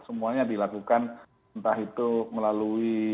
semuanya dilakukan entah itu melalui